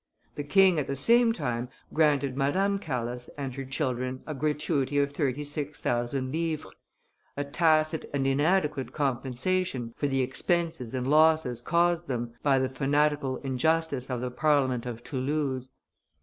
The king at the same time granted Madame Calas and her children a gratuity of thirty six thousand livres, a tacit and inadequate compensation for the expenses and losses caused them by the fanatical injustice of the Parliament of Toulouse.